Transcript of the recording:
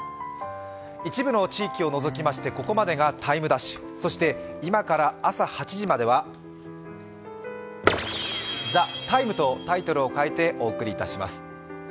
一部の地域を除きまして、ここまでが「ＴＩＭＥ’」そして今から朝８時までは「ＴＨＥＴＩＭＥ，」とタイトルを変えてお送りいたします。